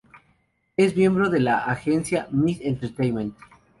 Es miembro de la agencia "Mid Entertainment".